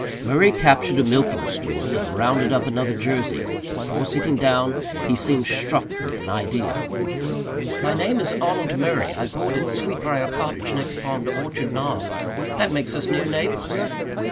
Murray captured a milking stool and rounded up another Jersey. Before sitting down he seemed struck with an idea. "My name is Arnold Murray. I board at Sweetbriar Cottage, next farm to Orchard Knob. That makes us near neighbours."